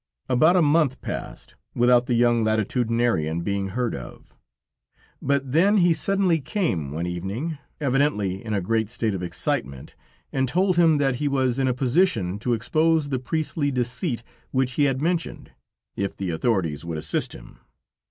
About a month passed, without the young Latitudinarian being heard of; but then he suddenly came one evening, evidently in a great state of excitement, and told him that he was in a position to expose the priestly deceit which he had mentioned, if the authorities would assist him.